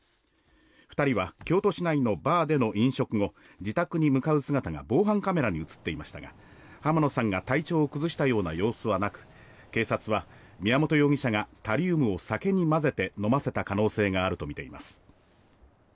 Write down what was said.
２人は京都市内のバーでの飲食後自宅に向かう姿が防犯カメラに映っていましたが浜野さんが体調を崩したような様子はなく警察は宮本容疑者がタリウムをお酒に混ぜて飲ませた可能性があるとみています。